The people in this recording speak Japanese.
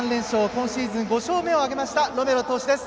今シーズン５勝目を挙げましたロメロ投手です。